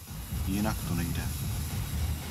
Jinak to nejde.